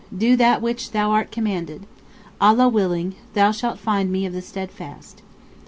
Do that which thou art commanded. Allah willing, thou shalt find me of the steadfast.